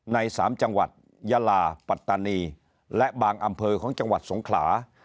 ใน๓จังหวัดยาลาปัตตานีและบางอำเภอของจังหวัดสงขลา